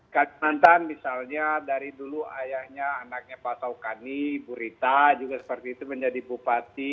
kalimantan misalnya dari dulu ayahnya anaknya pak saukani bu rita juga seperti itu menjadi bupati